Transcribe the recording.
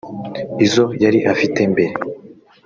izo yari afite mbere